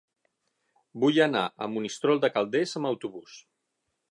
Vull anar a Monistrol de Calders amb autobús.